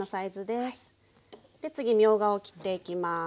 で次みょうがを切っていきます。